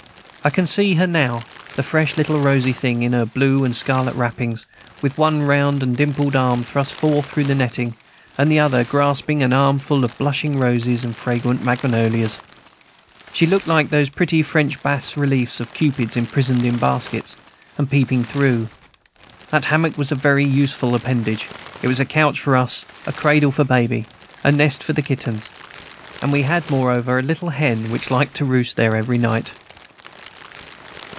I can see her now, the fresh little rosy thing, in her blue and scarlet wrappings, with one round and dimpled arm thrust forth through the netting, and the other grasping an armful of blushing roses and fragrant magnolias. She looked like those pretty French bas reliefs of Cupids imprisoned in baskets, and peeping through. That hammock was a very useful appendage; it was a couch for us, a cradle for Baby, a nest for the kittens; and we had, moreover, a little hen, which tried to roost there every night.